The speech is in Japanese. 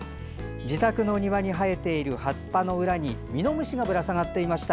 自宅の庭に生えている葉っぱの裏にミノムシがぶら下がっていました。